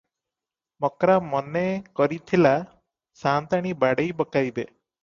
ମକ୍ରା ମନେ କରିଥିଲା, ସାଅନ୍ତାଣୀ ବାଡ଼େଇ ପକାଇବେ ।